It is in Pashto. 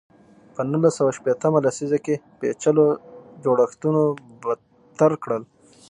په نولس سوه شپېته مه لسیزه کې پېچلو جوړښتونو بدتر کړل.